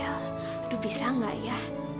aduh bisa gak ya